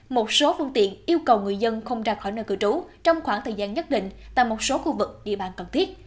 một số phương tiện yêu cầu người dân không ra khỏi nơi cư trú trong khoảng thời gian nhất định tại một số khu vực địa bàn cần thiết